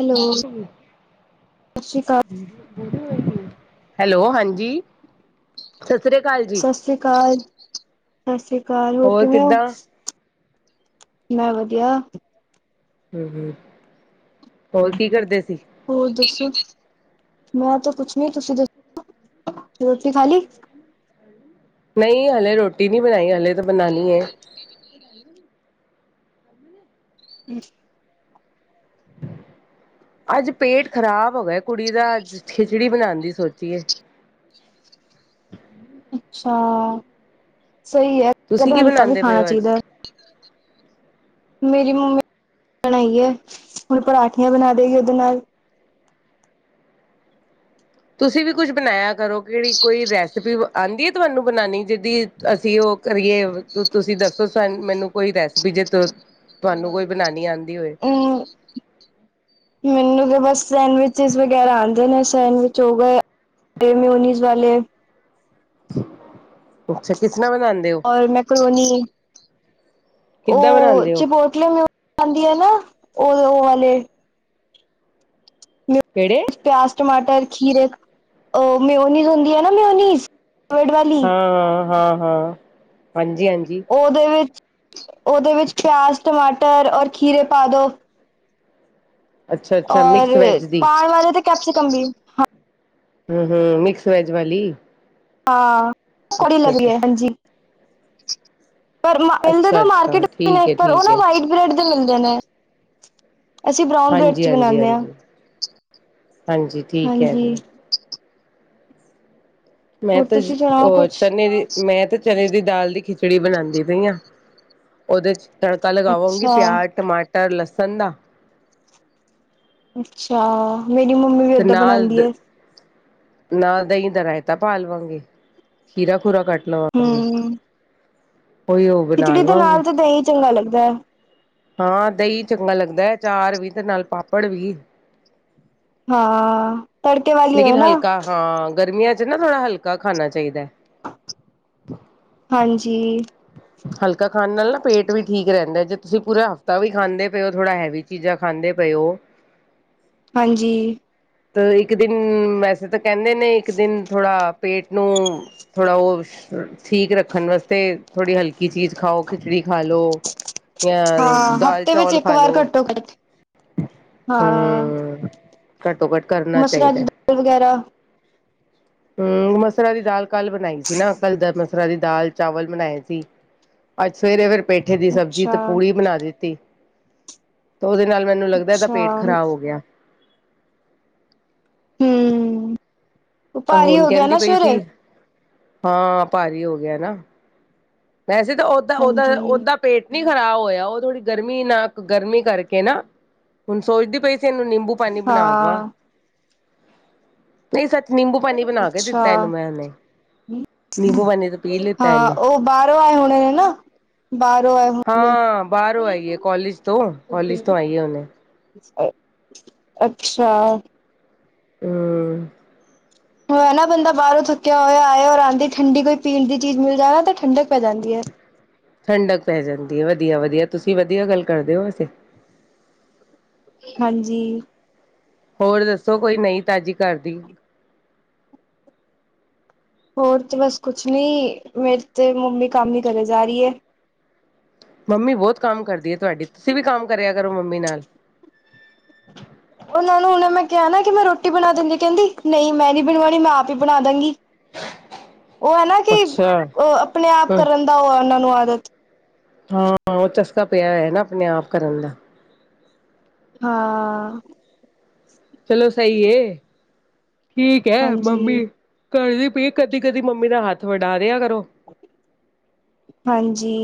Hello, ਸਤਿ ਸ੍ਰੀ ਅਕਾਲ। ਹੈਲੋ ਹਾਂਜੀ, ਸਤਿ ਸ੍ਰੀ ਅਕਾਲ ਜੀ। ਸਤਿ ਸੀ ਅਕਾਲ, ਸਤਿ ਸੀ ਅਕਾਲ, ਹੋਰ ਕਿਵੇਂ ਓ? ਮੈਂ ਵਧੀਆ। ਹੂੰ ਹੂੰ, ਹੋਰ ਕੀ ਕਰਦੇ ਸੀ? ਹੋਰ ਦੱਸੋ, ਮੈਂ ਤਾਂ ਕੁਛ ਨੀ। ਤੁਸੀਂ ਦੱਸੋ ਰੋਟੀ ਖਾ ਲੀ? ਨਹੀਂ ਹਲੇ ਰੋਟੀ ਨਹੀਂ ਬਣਾਈ, ਹਲੇ ਤੇ ਬਣਾਣੀ ਐ। [unintelligible] [unintelligible] ਅੱਜ ਪੇਟ ਖਰਾਬ ਹੋ ਗਿਆ ਕੁੜੀ ਦਾ, ਅੱਜ ਖਿਚੜੀ ਬਣਾਣ ਦੀ ਸੋਚੀ ਏ। ਅੱਛਾ ਸਹੀ ਐ, ਤੁਸੀਂ ਕਦੀ ਕੀ ਹਲਕਾ ਵੀ ਬਣਾਉਂਦੇ ਪਏ ਖਾਣਾ ਹੋ ਅੱਜ ਚਾਹੀਦਾ। ਮੇਰੀ ਮੰਮੀ ਨੇ [inaudible] ਬਣਾਈ ਐ, ਹੁਣ ਪਰਾਠੀਆਂ ਬਣਾ ਦੇਗੀ ਓਹਦੇ ਨਾਲ। ਤੁਸੀਂ ਵੀ ਕੁਛ ਬਣਾਇਆ ਕਰੋ ਕਿਹੜੀ ਕੋਈ ਰੈਸ ਆਂਦੀ ਏ ਤੁਹਾਨੂੰ ਬਣਾਉਣੀ, ਜਿਹਦੀ ਅਸੀਂ ਉਹ ਕਰੀਏ, ਤੁਸੀਂ ਦੱਸੋ ਸ ਮੈਨੂੰ ਕੋਈ ਰੈਸਪੀ ਜੇ ਤ ਤੁਹਾਨੂੰ ਕੋਈ ਬਣਾਣੀ ਆਉਂਦੀ ਹੋਏ। [unintelligible] ਮੈਨੂੰ ਤਾਂ ਬਸ ਸੈਂਡਵਿਚਿਸ ਵਗੈਰਾ ਆਉਂਦੇ ਨੇ, ਸੈਂਡਵਿਚ ਹੋ ਗਏ ਮੇਉਨੀਜ਼ ਵਾਲੇ ਅੱਛਾ ਕਿਸਤਰਾ ਬਣਾਦੇ ਔਰ ਮੈਂਕਰੋਨੀ ਕਿੱਦਾਂ ਓਹ ਬਣਾਉਂਦੇ ਹੋ ਚਿਪੋ ਲੇ ਮਿਊ ਆਂਦੀ ਆ ਨਾ ਉਹ, ਉਹ ਵਾਲੇ ਮਿਊ ਕਿਹੜੇ ਪਿਆਜ਼ ਟਮਾਟਰ ਖੀਰੇ ਓਹ ਮਿਓਨੀਜ਼ ਹੁੰਦੀ ਆ ਨਾ ਮਿਓਨੀਜ਼ ਕਵਰਡ ਵਾਲੀ ਹਾਂ, ਹਾਂ, ਹਾਂ, ਹਾਂ ਹਾਂਜੀ, ਹਾਂਜੀ। ਉਹਦੇ ਵਿੱਚ ਉਹਦੇ ਵਿੱਚ ਪਿਆਜ਼, ਟਮਾਟਰ, ਔਰ ਖੀਰੇ ਪਾਦੋ। ਅੱਛਾ, ਅੱਛਾ ਔਰ ਮਿਕਸ ਵੈਜ ਦੀ ਪਾਣ ਵਾਲੇ ਤੇ ਕੈਪਸਿਕਮ ਵੀ ਹਮ, ਹਮ ਮਿਕਸ ਵੈਜ ਵਾਲੀ। ਹਾਂ ਕੋੜੀ ਅੱਛਾ, ਲਾਗ ਰੀ ਅੱਛਾ, ਹੈ ਹਾਂਜੀ। ਪਰ ਮਿਲਦੇ ਅੱਛਾ, ਤਾਂ ਅੱਛਾ ਮਾਰਕੀਟ ਠੀਕ ਹੈ, ਪਰ ਉਹ ਠੀਕ ਨਾ ਹੈ ਵਾਇਟ ਬ੍ਰਡ ਦੇ ਮਿਲਦੇ ਨੇ। ਅਸੀਂ ਬਰਾਉਨ ਬ੍ਰੈਡ ਹਾਂਜੀ, ਚ ਹਾਂਜੀ, ਬਣਾਦੇ ਹਾਂ ਹਾਂਜੀ, ਹਾਂਜੀ ਠੀਕ ਕਹਿ ਰਹੇ ਹਾਂਜੀ। ਹੋ ਮੈਂ ਹੋਰ ਤਾਂ ਤੁਸੀਂ ਸੁਣਾਓ ਓਹ ਕੁਛ ਚਨੇ ਦੀ ਮੈਂ ਤੇ ਚਣੇ ਦੀ ਦਾਲ ਦੀ ਖਿਚੜੀ ਬਣਾਦੀ ਪਈ ਆ। ਉਹਦੇ 'ਚ' ਤੜਕਾ ਲਗਾਵਾਂਗੀ ਅੱਛਾ ਪਿਆਜ਼ ਟਮਾਟਰ ਲਸਣ ਦਾ। ਅੱਛਾ। ਮੇਰੀ ਮੰਮੀ ਵੀ ਤੇ ਓਦਾਂ ਨਾਲ ਬਣਾਉਂਦੀ ਦ ਹੈ ਨਾਲ ਦਹੀਂ ਦਾ ਰਯਤਾ ਪਾ ਲਵਾਂਗੀ ਖੀਰਾ ਖੂਰਾ ਕੱਟ। ਲਵਾਂਗੇ ਹਮ। ਉਹੀ ਉਹ ਬਣਾ ਖਿਚੜੀ ਦੇ ਲਵਾਂਗੇ ਨਾਲ ਤੇ ਦਹੀਂ ਚੰਗਾ ਲੱਗਦਾ ਹੈ। ਹਾਂ ਦਹੀਂ ਚੰਗਾ ਲੱਗਦਾ ਹੈ। ਅਚਾਰ ਵੀ ਤੇ ਨਾਲ ਪਾਪੜ ਵੀ। ਹਾਂ। ਤੜਕੇ ਵਾਲੀ ਹੋਏ ਲੇਕਿਨ ਨਾ ਹਲਕਾ ਹਾਂ ਗਰਮੀਆਂ ਚ ਨਾ ਥੋੜਾ ਹਲਕਾ ਖਾਣਾ ਚਾਹੀਦਾ। ਹਾਂਜੀ। ਹਲਕਾ ਖਾਣ ਨਾਲ ਨਾ ਪੇਟ ਵੀ ਠੀਕ ਰਹਿੰਦਾ। ਜੇ ਤੁਸੀਂ ਪੂਰਾ ਹਫ਼ਤਾ ਵੀ ਖਾਂਦੇ ਪਏ ਹੋ ਥੋੜ੍ਹਾ ਹੈਵੀ ਚੀਜ਼ਾਂ ਖਾਂਦੇ ਪਏ ਹੋ। ਹਾਂਜੀ। ਤੇ ਇੱਕ ਦਿਨ ਵੈਸੇ ਤਾਂ ਕਹਿੰਦੇ ਨੇ ਇੱਕ ਦਿਨ ਥੋੜਾ ਪੇਟ ਨੂੰ ਥੋੜਾ ਉਹ। ਠੀਕ ਰੱਖਣ ਵਾਸਤੇ ਥੋੜੀ ਹਲਕੀ ਚੀਜ਼ ਖਾਓ ਖਿਚੜੀ ਖਾ ਲੋ। ਯ ਦਾਲ ਚੌਲ ਖਾ ਲੋ। ਕਰ। ਹਮ ਘੱਟੋ ਘੱਟ ਕਰਨਾ ਮਸਰਾ ਦੀ ਚਾਹੀਦਾ। ਦਾਲ ਵਗੈਰਾ ਹਮ ਮਸਰਾ ਦੀ ਦਾਲ ਕੱਲ ਬਣਾਈ ਸੀ ਨਾ ਕੱਲ ਦ। ਮਸਰਾ ਦੀ ਦਾਲ ਚਾਵਲ ਬਣਾਏ ਸੀ ਅੱਜ ਸਵੇਰੇ ਫਿਰ ਪੇਠੇ ਦੀ ਸਬਜ਼ੀ ਅੱਛਾ ਤੇ ਪੂੜੀ ਬਣਾ ਦਿੱਤੀ। ਤਾਂ ਉਹਦੇ ਨਾਲ ਮੈਨੂੰ ਲੱਗਦਾ ਇਹਦਾ ਅੱਛਾ ਪੇਟ ਖਰਾਬ ਹੋ ਗਿਆ। ਹਮ ਉਹ ਤਾਂ ਭਾਰੀ ਹੁਣ ਹੋ ਗਿਆ ਕਹਿੰਦੀ ਨਾ ਪਈ ਸੀ ਸਵੇਰੇ। ਹਾਂ ਭਾਰੀ ਹੋ ਗਿਆ ਨਾ ਵੈਸੇ ਤਾਂ ਓਦਾਂ ਦਾ ਹਾਂਜੀ ਓਦਾ। ਪੇਟ ਨੀ ਖਰਾਬ ਹੋਇਆ ਉਹ ਥੋੜੀ ਗਰਮੀ ਨਾ ਗਰਮੀ ਕਰਕੇ ਨਾ ਹੁਣ ਸੋਚਦੀ ਪਈ। ਇਹਨੂੰ ਨਿੰਬੂ ਪਾਣੀ ਬਣਾ ਦਵਾਂ। ਹਾਂ ਨਹੀਂ ਸੱਚ ਨਿੰਬੂ ਪਾਣੀ ਬਣਾ ਕੇ ਅੱਛਾ ਦਿੱਤਾ ਇਹਨੂੰ ਮੈਂ ਉਹਨੇ ਨਿੰਬੂ ਪਾਣੀ ਦਾ ਪੀ ਲਿੱਤਾ ਹਾਂ ਇਹਨੇ। ਬਾਹਰੋਂ ਆਏ ਹੁਣੇ ਨੇ ਨਾ। ਬਾਹਾਰੋਂ ਆਓ ਹਾਂ ਬਾਹਰੋਂ ਆਈਏ ਕਾਲਜ ਤੋਂ, ਕਾਲਜ ਤੋਂ ਆਈਏ ਹੁਨੇ। ਅੱਛਾ। ਹਮ। ਹਮ। ਨਾ ਬੰਦਾ ਬਾਹਰੋਂ ਥੱਕਿਆ ਹੋਇਆ ਆਏ, ਔਰ ਆਉਂਦੀ ਠੰਡੀ ਕੋ ਪੀਣ ਦੀ ਚੀਜ਼ ਮਿਲ ਜਾਏ ਨਾ, ਤਾਂ ਠੰਡਕ ਪੈ ਜਾਂਦੀ ਹੈ। ਠੰਡਕ ਪੈ ਜਾਂਦੀ ਹੈ। ਵਧੀਆ-ਵਧੀਆ ਤੁਸੀਂ ਵਧੀਆ ਗੱਲ ਕਰਦੇ ਹੋ ਵੈਸੇ। ਹਾਂਜੀ। ਹੋਰ ਦੱਸੋ ਕੋਈ ਨਹੀਂ ਤਾਜ਼ੀ ਘਰ ਦੀ। ਹੋਰ ਤਾਂ ਬਸ ਕੁਛ ਨਹੀਂ, ਮੇਰੇ ਤਾਂ ਮੰਮੀ ਕੰਮ ਹੀ ਕਰੇ ਜਾ ਰਹੀ ਹੈ। ਮੰਮੀ ਬਹੁਤ ਕੰਮ ਕਰਦੀ ਹੈ ਤੁਹਾਡੀ, ਤੁਸੀਂ ਵੀ ਕੰਮ ਕਰਿਆ ਕਰੋ ਮੰਮੀ ਨਾਲ। ਉਹਨਾਂ ਨੂੰ ਹੁਨੇ ਮੈਂ ਕਿਹਾ ਨਾ ਕਿ ਮੈਂ ਰੋਟੀ ਬਣਾ ਦਿੰਦੀ, ਕਹਿੰਦੀ ਨਹੀਂ ਮੈਂ ਨੀ ਬਣਵਾਉਣੀ, ਮੈਂ ਆਪ ਹੀ ਬਣਾ ਦਾਂਗੀ। ਉਹ ਹੈ ਨਾ ਕਿ ਅੱਛਾ ਹੂੰ ਆਪਣੇ ਆਪ ਕਰਨ ਦਾ ਉਹ ਉਹਨਾਂ ਨੂੰ ਆਦਤ। ਹਾਂ ਉਹ ਚਸਕਾ ਪਿਆ ਹੋਇਆ ਨਾ ਆਪਣੇ ਆਪ ਕਰਨ ਦਾ। ਹਾਂ। ਚਲੋ ਸਹੀ ਹੈ। ਠੀਕ ਹੈ ਮੰਮੀ। ਹਾਂਜੀ ਕਰਦੀ ਪਈ ਏ ਕਦੀ-ਕਦੀ ਮੰਮੀ ਦਾ ਹੱਥ ਵਡਾ ਦਿਆ ਕਰੋ। ਹਾਂਜੀ।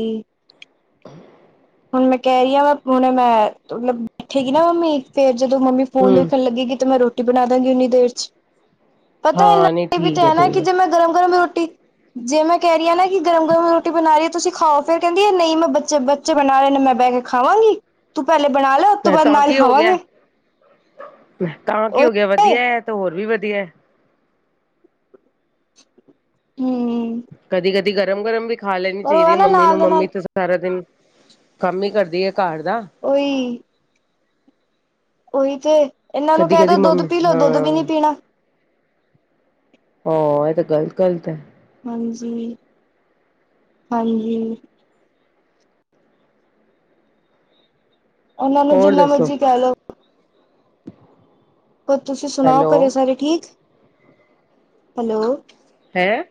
ਹੁਣ ਮੈਂ ਕਹਿ ਰਹੀ ਹਾਂ ਵ ਹੁਣੇ ਮੈਂ ਮਤਲਬ ਬੈਠੇਗੀ ਨਾ ਮੰਮੀ ਫੇਰ ਜਦੋਂ ਮੰਮੀ ਫੋਨ ਹੂੰ ਵੇਖਣ ਲੱਗੇਗੀ, ਤੇ ਮੈਂ ਰੋਟੀ ਬਣਾ ਦਵਾਗੀ ਉਓਨੀ ਦੇਰ ਚ। ਪਤਾ ਹਾਂ ਨਹੀਂ ਇਨਾ ਵੀ ਤੇ ਠੀਕ ਹੈ ਹੈਨਾ ਠੀਕ ਕਿ ਹੈ ਜੇ ਮੈਂ ਗਰਮ-ਗਰਮ ਰੋਟੀ ਜੇ ਮੈਂ ਕਹਿ ਰਹੀ ਹਾਂ ਨਾ ਕਿ ਗਰਮ-ਗਰਮ ਰੋਟੀ ਬਣਾ ਰਹੀ ਹੈ ਤੁਸੀਂ ਖਾਓ, ਫੇਰ ਕਹਿੰਦੀ ਹੈ ਨਹੀਂ ਮੈਂ ਬੱਚੇ ਬ ਬੱਚੇ ਬਣਾ ਰਹੇ ਨੇ ਮੈਂ ਬਹਿ ਕੇ ਖਾਵਾਂਗੀ। ਤੂੰ ਪਹਿਲੇ ਬਣਾ ਲੈ ਉਸ ਤੋਂ ਮੈਂ ਬਾਅਦ ਤਾਂ ਨਾਲ ਕੀ ਹੋ ਖਾਵਾਂਗੇ। ਗਿਆ ਤਾਂ ਕੀ ਹੋ ਗਿਆ ਉਹੀ ਵਧੀਆ ਹੈ ਏ ਤੇ ਹੋਰ ਵੀ ਵਧੀਆ। ਹਮ। ਕਦੀ-ਕਦੀ ਗਰਮ-ਗਰਮ ਵੀ ਖਾ ਲੈਣੀ ਚਾਹੀਦੀ ਹੈ ਨਾ ਮੰਮੀ ਨੂੰ। ਨਾਲ ਦੇ ਮੰਮੀ ਨਾਲ ਤਾਂ ਸਾਰਾ ਦਿਨ ਕੰਮ ਹੀ ਕਰਦੀ ਹੈ ਘਰ ਦਾ। ਉਈ। ਉਹੀ ਤੇ ਇਹਨਾਂ ਨੂੰ ਕਦੀ ਕਹਿ ਕਦੀ ਦੋ ਦੁੱਧ ਮੰਮੀ ਪੀ ਲੋੋ, ਦੁੱਧ ਵੀ ਨੀ ਹਾਂ ਪੀਣਾ। ਹੂੰ! [inaudible] ਹਾਂ, ਇਹ ਤਾਂ ਗਲ ਗ਼ਲਤ ਹੈ। ਹਾਂਜੀ-ਹਾਂਜੀ। ਉਹਨਾਂ ਨੂੰ ਹੋਰ ਜਿੰਨਾ ਦੱਸੋ ਮਰਜੀ ਕਹਿ ਲੋਓ। ਹੋਰ ਤੁਸੀਂ ਸੁਣਾਓ ਹੈਲੋ ਘਰੇ ਸਾਰੇ ਠੀਕ। ਹੈਲੋ ਹੈਂ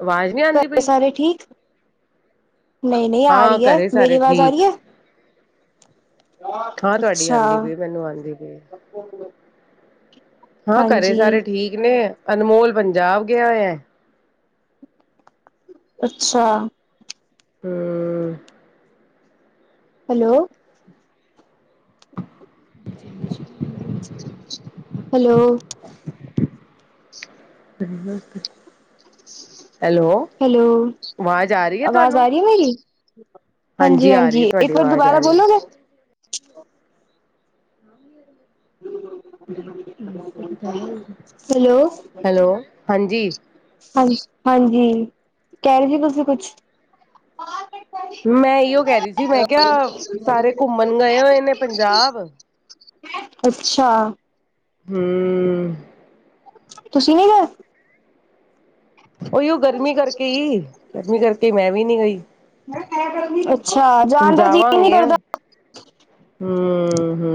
ਆਵਾਜ਼ ਨਹੀਂ ਆਉਂਦੀ ਪਈ। ਸਾਰੇ ਘਰੇ ਠੀਕ, ਨਹੀਂ-ਨਹੀਂ ਆ ਹਾਂ ਰਹੀ ਹੈ। ਘਰੇ ਮੇਰੀ ਸਾਰੇ ਆਵਾਜ਼ ਆ ਠੀਕ ਰਹੀ ਹੈ। ਹਾਂ ਤੁਹਾਡੀ ਅੱਛਾ। ਆਉਂਦੀ ਪਈ ਮੈਨੂੰ ਆਉਂਦੀ ਪਈ ਹਾਂ। ਘਰੇ ਹਾਂਜੀ ਸਾਰੇ ਠੀਕ ਨੇ, ਅਨਮੋਲ ਪੰਜਾਬ ਗਿਆ ਹੋਇਆ ਹੈ। ਅੱਛਾ। ਹਮ। ਹੈਲੋ ਹਾਂਜੀ! ਹਾਂਜੀ! [unintelligible] ਹੈਲੋ ਸਹੀ ਵਾਸਤੇ। [unintelligible] ਹੈਲੋ, ਆਵਾਜ਼ ਆ ਰਹੀ ਹੈ ਆਵਾਜ਼ ਆ ਤੁਹਾਨੂੰ ਰਹੀ ਏ ਮੇਰੀ। ਹਾਂਜੀ ਆ ਰਹੀ ਹੈ ਹਾਂਜੀ-ਹਾਂਜੀ ਤੁਹਾਡੀ ਇੱਕ ਵਾਰ ਆਵਾਜ਼ ਆ ਦੁਬਾਰਾ ਰਹੀ ਹੈ ਬੋਲੋਗੇ। ਹੈਲੋ ਹੈਲੋ, ਹਾਂਜੀ। ਹਾਂਜੀ, ਹਾਂਜੀ, ਕਹਿ ਰਹੇ ਸੀ ਤੁਸੀਂ ਕੁਛ? ਮੈਂ ਇਹੋ ਕਹਿ ਰਹੀ ਸੀ ਮੈਂ ਕਿਹਾ, ਸਾਰੇ ਘੁੰਮਣ ਗਏ ਹੋਏ ਨੇ ਪੰਜਾਬ। ਅੱਛਾ। ਹੂੰ। ਹੂੰ। ਤੁਸੀਂ ਨੀ ਗਏ? ਉਹੀਓ ਗਰਮੀ ਕਰਕੇ ਈ, ਗਰਮੀ ਕਰਕੇ ਮੈਂ ਵੀ ਨੀ ਗਈ। ਅੱਛਾ ਹੁਣ ਜਾਣ ਦਾ ਜੀਅ ਨੀ ਜਾਵਾਂਗੇ ਕਰਦਾ। ਹੂੰ ਹੂੰ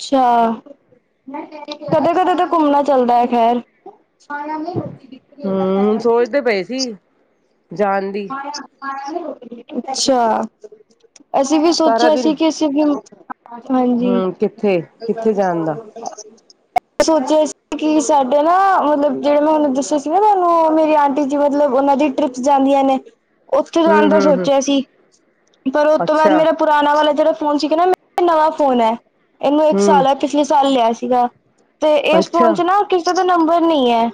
ਅੱਛਾ। ਕਦੇ-ਕਦੇ ਤਾਂ ਘੁੰਮਣਾ ਚਲਦਾ ਏ ਖ਼ੈਰ। ਹੂੰ ਸੋਚਦੇ ਪਏ ਸੀ, ਜਾਣ ਦੀ। ਅੱਛਾ, ਅਸੀਂ ਵੀ ਸਾਰਾ ਸੋਚਿਆ ਦਿਨ ਸੀ ਕਿ ਅਸੀਂ ਵੀ ਹਾਂਜੀ ਹੂੰ ਕਿੱਥੇ ਕਿੱਥੇ ਜਾਣ ਦਾ ਸੋਚਿਆ ਸੀ ਕਿ ਸਾਡੇ ਨਾ ਮਤਲਬ ਜਿਹੜੇ ਮੈਂ ਤੁਹਾਨੂੰ ਦੱਸੇ ਸੀ ਨਾ ਉਹਨੂੰ ਮੇਰੀ ਆਂਟੀ ਜੀ ਮਤਲਬ ਉਹਨਾਂ ਦੀ ਟ੍ਰਿਪਸ ਜਾਂਦੀਆਂ ਨੇ, ਉੱਥੇ ਹੂੰ ਜਾਣ ਦਾ ਹੂੰ ਹੂੰ ਸੋਚਿਆ ਸੀ, ਪਰ ਉਸ ਤੋਂ ਬਾਅਦ ਅੱਛਾ ਮੇਰਾ ਪੁਰਾਣਾ ਵਾਲਾ ਜਿਹੜਾ ਫ਼ੋਨ ਸੀਗਾ ਇਹ ਮੇਰਾ ਨਵਾਂ ਫ਼ੋਨ ਐ। ਇਹਨੂੰ ਇੱਕ ਹੂੰ ਸਾਲ ਹੈ ਪਿਛਲੇ ਸਾਲ ਲਿਆ ਸੀਗਾ, ਤੇ ਇਸ ਫ਼ੋਨ ਅੱਛਾ 'ਚ ਨਾ ਕਿਸੇ ਦਾ ਨੰਬਰ ਨੀ ਐ,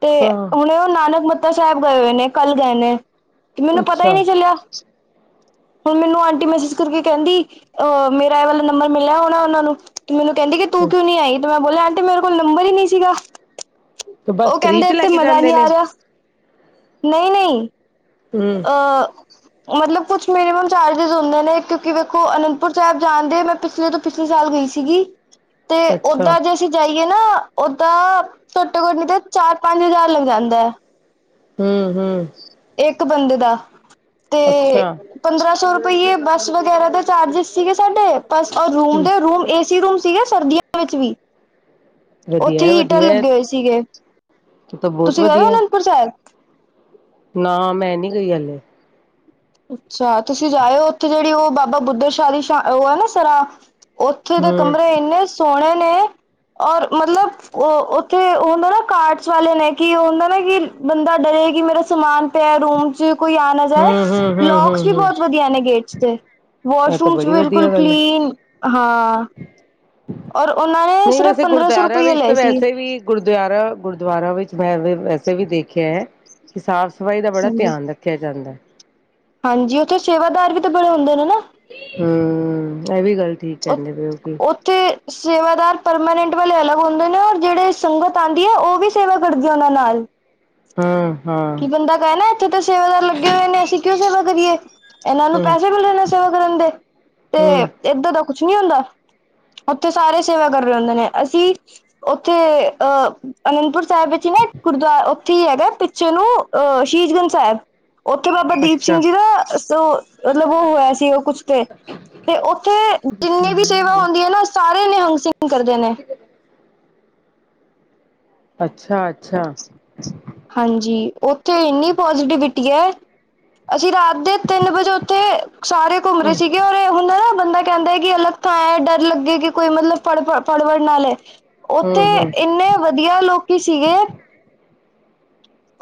ਤੇ ਹਾਂ ਹੁਣ ਉਹ ਨਾਨਕ ਸਾਹਿਬ ਗਏ ਹੋਏ ਨੇ ਕੱਲ ਗਏ ਨੇ, ਤੇ ਮੈਨੂੰ ਪਤਾ ਈ ਅੱਛਾ ਨੀ ਚੱਲਿਆ। ਹੁਣ ਮੈਨੂੰ ਆਂਟੀ ਮੈਸੇਜ ਕਰਕੇ ਕਹਿੰਦੀ, ਮੇਰਾ ਇਹ ਵਾਲਾ ਨੰਬਰ ਮਿਲਿਆ ਹੋਣਾ ਉਹਨਾਂ ਨੂੰ। ਤੇ ਮੈਨੂੰ ਕਹਿੰਦੀ ਕਿ ਤੂੰ ਕਿਉਂ ਨੀ ਆਈ ਤੇ ਮੈਂ ਬੋਲਿਆ ਆਂਟੀ ਮੇਰੇ ਕੋਲ ਨੰਬਰ ਈ ਨੀ ਸੀਗਾ। ਤੇ ਉਹ ਬਸ ਫ੍ਰੀ ਕਹਿੰਦੇ ਚ ਲੈ ਇੱਥੇ ਕੇ ਮਜ਼ਾ ਜਾਂਦੇ ਨਹੀਂ ਨੇ ਆ ਰਿਹਾ, ਨਹੀਂ-ਨਹੀਂ। ਹੂੰ ਅ ਮਤਲਬ ਕੁਛ ਮਿਨੀਮਮ ਚਾਰਜਿਸ ਹੁੰਦੇ ਨੇ ਕਿਉਂਕਿ ਵੇਖੋ ਅਨੰਦਪੁਰ ਸਾਹਿਬ ਜਾਣਦੇ ਮੈਂ ਪਿਛਲੇ ਤੋਂ ਪਿਛਲੇ ਸਾਲ ਗਈ ਸੀਗੀ, ਤੇ ਅੱਛਾ ਓਦਾਂ ਜੇ ਅਸੀਂ ਜਾਈਏ ਨਾ ਓਦਾਂ, ਘੱਟੋ-ਘੱਟ ਨਹੀਂ ਤੇ ਚਾਰ-ਪੰਜ ਹਜ਼ਾਰ ਲੱਗ ਜਾਂਦਾ। ਹੂੰ-ਹੂੰ। ਇੱਕ ਬੰਦੇ ਦਾ, ਤੇ ਅੱਛਾ ਪੰਦਰਾਂ ਸੌ ਰੁਪਈਏ ਬੱਸ ਵਗੈਰਾ ਦੇ ਚਾਰਜਿਸ ਸੀਗੇ ਸਾਡੇ ਬਸ ਔਰ ਰੂਮ ਹੂੰ ਦੇ ਰੂਮ ਏਸੀ ਰੂਮ ਸੀਗਾ ਸਰਦੀਆਂ ਵਿੱਚ ਵੀ। ਉੱਥੇ ਵਧੀਆ ਹੈ ਹੀਟਰ ਵਧੀਆ ਹੈ ਲੱਗੇ ਹੋਏ ਤੂੰ ਸੀਗੇ। ਤਾਂ ਬਹੁਤ ਤੁਸੀਂ ਗਏ ਹੋ ਵਧੀਆ ਹੈ ਅਨੰਦਪੁਰ ਸਾਹਿਬ? ਨਾ ਮੈਂ ਨੀ ਗਈ ਹਲੇ। ਅੱਛਾ ਤੁਸੀਂ ਜਾਇਓ ਉੱਥੇ ਜਿਹੜੀ ਉਹ ਬਾਬਾ ਬੁੱਧ ਸ਼ਾਹ ਦੀ ਸ਼ ਉਹ ਹੈ ਨਾ ਸਰਾਂ ਉੱਥੇ ਦੇ ਹੂੰ ਕਮਰੇ ਇੰਨੇ ਸੋਹਣੇ ਨੇ ਔਰ ਮਤਲਬ ਉਹ ਉੱਥੇ ਉਹ ਹੁੰਦਾ ਨਾ ਕਾਰਡਸ ਵਾਲੇ ਨੇ ਕਿ ਉਹ ਹੁੰਦਾ ਨਾ ਕਿ ਬੰਦਾ ਡਰੇ ਕਿ ਮੇਰਾ ਸਮਾਨ ਪਿਆ ਰੂਮ 'ਚ ਕੋਈ ਆ ਹੂੰ-ਹੂੰ। ਲੌਕਸ ਵੀ ਬਹੁਤ ਵਧੀਆ ਨੇ ਗੇਟਸ ਤੇ, ਇਹ ਤਾਂ ਵਾਸ਼ਰੂਮਸ ਬੜੀ ਬਿਲਕੁਲ ਵਧੀਆ ਗੱਲ ਹੈ। ਕਲੀਨ, ਹਾਂ। ਔਰ ਉਹਨਾਂ ਨੇ ਨਹੀਂ ਸਿਰਫ ਵੈਸੇ ਪੰਦਰਾਂ ਸੌ ਗੁਰਦੁਆਰਾ ਰੁਪਈਏ ਵਿੱਚ ਤਾਂ ਲਏ ਸੀ ਵੈਸੇ ਵੀ ਗੁਰਦੁਆਰਾ ਗੁਰਦੁਆਰਾ ਵਿੱਚ ਮੈਂ ਵੈਸੇ ਵੀ ਦੇਖਿਆ ਕਿ ਸਾਫ਼-ਸਫ਼ਾਈ ਦਾ ਬੜਾ ਧਿਆਨ ਰੱਖ- ਫਿਰ ਜਾਂਦਾ, ਹਂਜੀ ਉੱਥੇ ਸੇਵਾਦਾਰ ਵੀ ਤਾਂ ਬੜੇ ਹੁਣ ਦੇ ਨੇ ਨਾ, ਹਮ ਇਹ ਵੀ ਗੱਲ ਠੀਕ ਕਹਿੰਦੇ ਪਏ ਉਹ ਕਿ, ਤੇ ਸੇਵਾਦਾਰ ਪਰਮਾਨੈਂਟ ਵਾਲੇ ਅਲੱਗ ਹੁੰਦੇ ਨੇ ਹੋਰ ਜਿਹੜੇ ਸੰਗਤ ਆਉਂਦੀ ਐ ਉਹ ਵੀ ਸੇਵਾ ਕਰਦੀ ਉਹਨਾਂ ਨਾਲ, ਹਮ ਹਾਂ, ਕੀ ਬੰਦਾ ਕਏ ਨਾ ਇੱਥੇ ਤਾਂ ਸੇਵਾਦਾਰ ਲੱਗੇ ਹੋਏ ਨੇ ਅਸੀਂ ਕਿਉਂ ਸੇਵਾ ਕਰੀਏ। ਇਹਨਾਂ ਨੂੰ ਹਮ ਪੈਸੇ ਮਿਲ ਜਾਂ ਨੇ ਸੇਵਾ ਕਰਨ ਦੇ ਤੇ ਹਮ ਇਹਦਾ ਦਾ ਕੁਛ ਨੀ ਹੁੰਦਾ, ਉੱਥੇ ਸਾਰੇ ਸੇਵਾ ਕਰ ਰਹੇ ਹੁੰਦੇ ਨੇ ਅਸੀਂ, ਉੱਥੇ ਅਹ ਅਨੰਦਪੁਰ ਸਾਹਿਬ ਵਿੱਚ ਹੀ ਨਾ ਇੱਕ ਗੁਰਦੁਆਰਾ ਉੱਥੇ ਹੀ ਹੈਗਾ, ਚਲੋ ਅਹ ਸ਼ਹੀਜਗੰਜ ਸਾਹਿਬ, ਉੱਥੇ ਬਾਬਾ ਦੀਪ ਸਿੰਘ ਅੱਛਾ ਜੀ ਦਾ ਮਤਲਬ ਉਹ ਹੋਇਆ ਸੀ ਉਹ ਕੁਛ ਤੇ ਤੇ ਉੱਥੇ ਜਿੰਨੀ ਵੀ ਸੇਵਾ ਹੁੰਦੀ ਹੈ ਨਾ ਸਾਰੇ ਨਿਹੰਗ ਸਿੰਘ ਕਰਦੇ ਨੇ, ਅੱਛਾ, ਅੱਛਾ ਹਾਂਜੀ, ਉੱਥੇ ਇੰਨੀ ਪੋਜ਼ਟੀਵਿਟੀ ਹੈ, ਅਸੀਂ ਰਾਤ ਦੇ ਤਿੰਨ ਵਜੇ ਉੱਥੇ ਸਾਰੇ ਘੁੰਮ ਰਹੇ ਹਮ ਸੀਗੇ, ਕਈ ਹੁੰਦਾ ਨਾ ਬੰਦਾ ਕਹਿੰਦਾ ਕਿ ਅਲੱਗ ਥਾ ਏ ਡਰ ਲੱਗੇ ਕਿ ਕੋਈ ਮਤਲਬ ਫੜ ਫੜਵੜ ਨਾ ਲੈ, ਉੱਥੇ ਹਮ ਹਮ ਇੰਨੇ ਵਧੀਆ ਲੋਕੀ ਸੀਗੇ।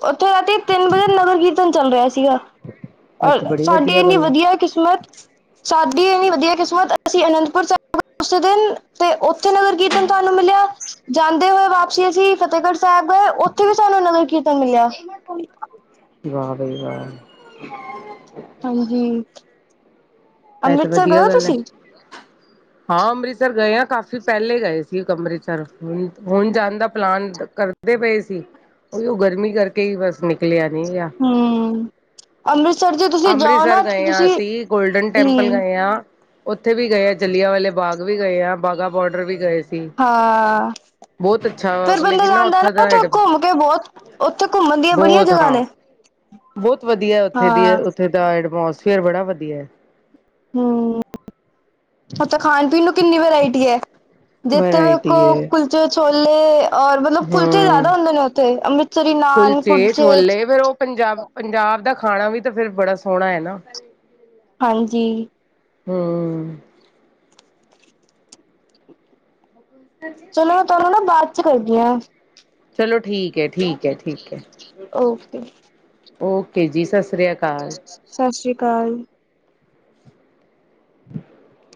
ਉੱਥੇ ਰਾਤੀ ਤਿੰਨ ਵਜੇ ਨਗਰ ਕੀਰਤਨ ਚੱਲ ਰਿਹਾ ਸੀਗਾ, ਇਹ ਔਰ ਤਾਂ ਬੜੀ ਸਾਡੀ ਵਧੀਆ ਇੰਨੀ ਗੱਲ ਹੈ ਵਧੀਆ ਕਿਸਮਤ, ਸਾਡੀ ਇਹਨੀ ਵਧੀਆ ਕਿਸਮਤ ਅਸੀਂ ਅਨੰਦਪੁਰ ਸਾਹਿਬ, ਉਸੇ ਦਿਨ ਤੇ ਉੱਥੇ ਨਗਰ ਕੀਰਤਨ ਤੁਹਾਨੂੰ ਮਿਲਿਆ ਜਾਂਦੇ ਹੋਏ ਵਾਪਸੀ ਅਸੀਂ ਫਤਿਹਗੜ੍ਹ, ਸਾਹਿਬ ਉੱਥੇ ਵੀ ਸਾਨੂੰ ਨਗਰ ਕੀਰਤਨ ਮਿਲਿਆ, ਵਾਹ ਭਈ ਵਾਹ, ਹਾਂ [inaudible] ਹਾਂਜੀ ਇਹ ਤਾਂ ਅੰਮ੍ਰਿਤਸਰ ਵਧੀਆ ਗਏ ੳ ਗੱਲ ਹੈ ਤੁਸੀਂ, ਹਾਂ ਅੰਮ੍ਰਿਤਸਰ ਗਏ ਆ ਕਾਫ਼ੀ ਪਹਿਲੇ ਗਏ ਸੀ ਅੰਮ੍ਰਿਤਸਰ ਹੁਣ ਹੁਣ ਜਾਣ ਦਾ ਪਲਾਨ ਕਰਦ, ਕਰਦੇ ਪਏ ਸੀ ਉਈੳ ਗਰਮੀ ਕਰਕੇ ਹੀ ਬਸ ਨਿਕਲਿਆ ਨੀ ਗਿਆ, ਹਮ, ਅੰਮ੍ਰਿਤਸਰ ਜਦੋ, ਅੰਮ੍ਰਿਤਸਰ ਗਏ ਆ ਅਸੀਂ ਗੋਲਡਨ ਟੈਂਪਲ ਹਮ ਗਏ ਆ, ਉੱਥੇ ਵੀ ਗਏ ਆ ਜਲਿਆਂ ਵਾਲੇ ਬਾਗ ਵੀ ਗਏ ਆ ਬਾਘਾ ਬੋਡਰ ਵੀ ਗਏ ਸੀ, ਹਾਂ, ਬਹੁਤ ਅੱਛਾ ਫੇਰ ਬੰਦਾ ਲੇਕਿਨ ਜਾਂਦਾ ਉੱਥਾ ਨਾ ਦਾ ਉੱਥੇ ਘੁੰਮ ਕੇ ਬਹੁਤ ਉੱਥੇ ਘੁੰਮਣ ਦੀਆਂ ਬੜੀਆਂ ਬਹੁਤ ਜਗ੍ਹਾ ਹਾਂ ਨੇ, ਬਹੁਤ ਵਧੀਆ ਉੱਥੇ ਦੀ ਹਾਂ ਉੱਥੇ ਦਾ ਐਟਮੋਸਫੇਅਰ ਬੜਾ ਵਧੀਆ ਏ, ਹਮ ੳਥੇ ਖਾਣ ਪੀਣ ਨੂੰ ਕਿੰਨੀ ਵਰਾਇਟੀ ਹੈ, ਜਿਥੇ ਵੇਖੋ ਵਰਾਇਟੀ ਹੈ ਕੁਲਚੇ ਛੋਲੇ, ਔਰ ਮਤਲਬ ਕੁਲਚੇ ਹਮ ਜ਼ਿਆਦਾ ਹੁੰਦੇ ਨੇ ਉੱਥੇ ਅੰਮ੍ਰਿਤਸਰੀ ਨਾਨ ਕੁਲਚੇ ਕੁੜਚੇ, ਛੋਲੇ ਫੇਰ ਉਹ ਪੰਜਾਬ ਪੰਜਾਬ ਦਾ ਖਾਣਾ ਵੀ ਤਾਂ ਫੇਰ ਬੜਾ ਸੋਹਣਾ ਏ ਨਾ। ਹਾਂਜੀ। ਹਮ ਚਲੋ ਮੈਂ ਤੁਹਾਨੂੰ ਨਾ ਬਾਅਦ ਚ ਕਰਦੀ ਆ। ਚਲੋ ਠੀਕ ਐ ਠੀਕ ਐ ਠੀਕ ਐ ਓਕੇ ਓਕੇ ਜੀ ਸਤਿ ਸ੍ਰੀ ਅਕਾਲ। ਸਤਿ ਸ੍ਰੀ ਅਕਾਲ। [inaudible]